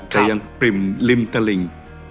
แต่ยังปริ่มริมตลิ่ง